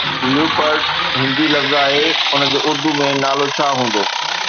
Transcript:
Leopard Hindi لفظ آهي، ان جو اردو ۾ نالو ڇا هوندو؟